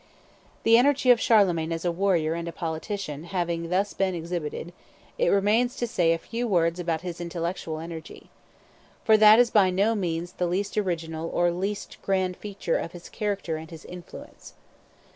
The energy of Charlemagne as a warrior and a politician having thus been exhibited, it remains to say a few words about his intellectual energy. For that is by no means the least original or least grand feature of his character and his influence.